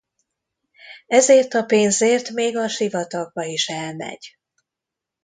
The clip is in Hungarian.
Ezért a pénzért még a sivatagba is elmegy.